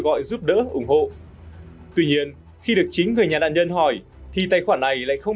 gọi giúp đỡ ủng hộ tuy nhiên khi được chính người nhà nạn nhân hỏi thì tài khoản này lại không